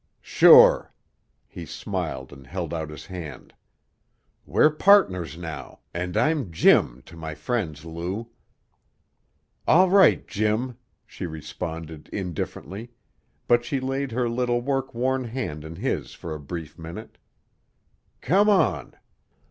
"Sure!" He smiled and held out his hand. "We're partners now, and I'm 'Jim' to my friends, Lou." "All right, Jim," she responded indifferently, but she laid her little work worn hand in his for a brief minute. "Come on."